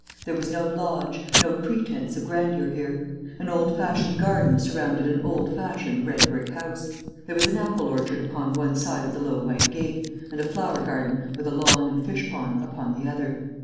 There was no lodge, no pretence of grandeur here. An old fashioned garden surrounded an old fashioned red brick house. There was an apple orchard upon one side of the low white gate, and a flower garden, with a lawn and fish pond, upon the other.